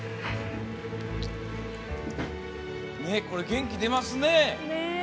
これ、元気出ますね。